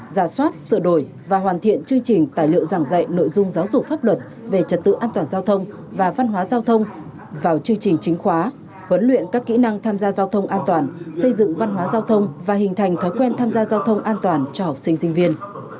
giả soát sửa đổi và hoàn thiện chương trình tài liệu giảng dạy nội dung giáo dục pháp luật về trật tự an toàn giao thông và văn hóa giao thông vào chương trình chính khóa huấn luyện các kỹ năng tham gia giao thông an toàn xây dựng văn hóa giao thông và hình thành thói quen tham gia giao thông an toàn cho học sinh sinh viên